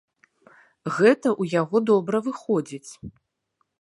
Гэта ў яго добра выходзіць.